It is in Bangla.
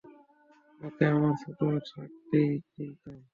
ওকে আমরা ছোট থাকতেই চিনতাম।